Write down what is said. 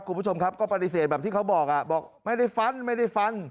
คุณผู้ชมครับก็ปฏิเสธแบบที่เขาบอกบอกไม่ได้ฟัน